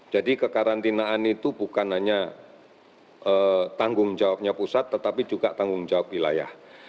jadi kekarantinaan itu bukan hanya tanggung jawabnya pusat tetapi juga tanggung jawab wilayah